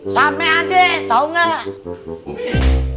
sama adek tau gak